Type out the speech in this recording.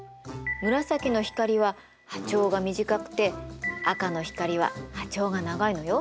紫の光は波長が短くて赤の光は波長が長いのよ。